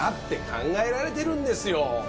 考えられてるんですよ。